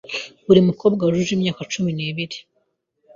Buri mukobwa wujuje imyaka cumi bibiri